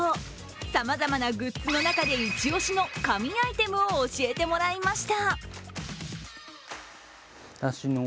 さまざまなグッズの中で一押しの神アイテムを教えてもらいました。